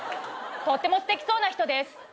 とってもすてきそうな人です。